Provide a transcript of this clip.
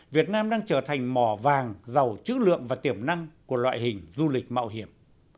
việt nam đang trở thành mỏ vàng giàu chữ lượng và tiềm năng của loại hình du lịch mạo hiểm